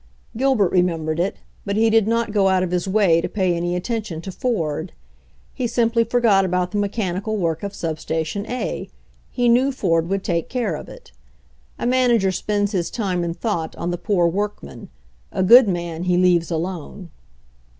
Gilbert remembered it, but he did not go out of his way to pay any attention to Ford. He simply forgot about the mechanical work of sub station A. He knew Ford would take care of it. A manager spends his time and thought on the poor workmen ; a good man he leaves alone.